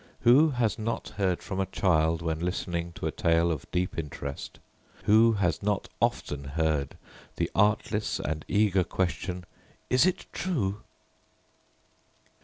Who has not heard from a child when listening to a tale of deep interest who has not often heard the artless and eager question, 'Is it true?'"